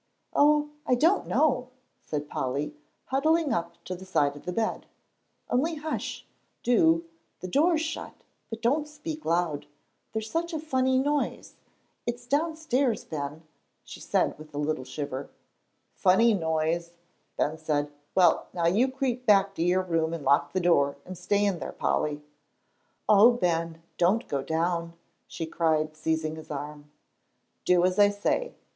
"Oh, I don't know," said Polly, huddling up to the side of the bed, "only hush, do, the door's shut, but don't speak loud. There's such a funny noise; it sounds downstairs, Ben," she said, with a little shiver. "Funny noise!" said Ben. "Well, now, you creep back to your room and lock the door, and stay in there, Polly." "Oh, Ben, don't go down," she cried, seizing his arm. "Do as I say."